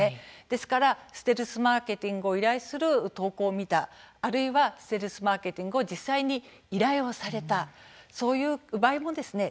ですからステルスマーケティングを依頼する投稿を見た、あるいはステルスマーケティングを実際に依頼をされたそういう場合もですね